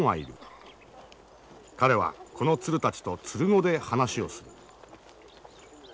彼はこの鶴たちと鶴語で話をする。